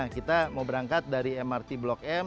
kita mau berangkat dari mrt blok m